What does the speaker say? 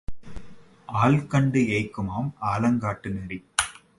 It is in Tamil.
ஆள் கண்டு ஏய்க்குமாம் ஆலங்காட்டு நரி.